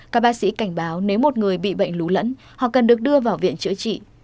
các bác sĩ cảnh báo nếu một người bị bệnh lún lẫn họ cần được đưa vào viện chữa trị